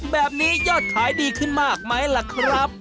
แบบนี้ยอดขายดีขึ้นมากไหมล่ะครับ